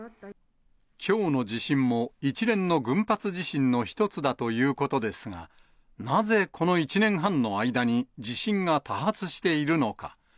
きょうの地震も一連の群発地震の一つだということですが、なぜこの１年半の間に、地震が多発しているのか。